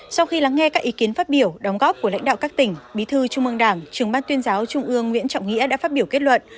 sau khi lắng nghe các ý kiến phát biểu đóng góp của lãnh đạo các tỉnh bí thư trung ương đảng trường ban tuyên giáo trung ương nguyễn trọng nghĩa đã phát biểu kết luận